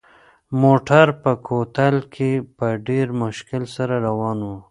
موټر په کوتل کې په ډېر مشکل سره روان و.